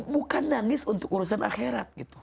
bukan nangis untuk urusan akhirat gitu